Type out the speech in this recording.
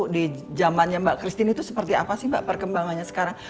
di zamannya mbak christine itu seperti apa sih mbak perkembangannya sekarang